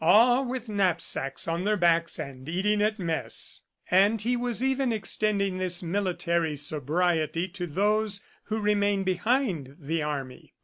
"All with knapsacks on their backs and eating at mess." And he was even extending this military sobriety to those who remained behind the army.